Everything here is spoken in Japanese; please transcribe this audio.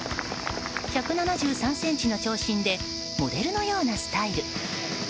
１７３ｃｍの長身でモデルのようなスタイル。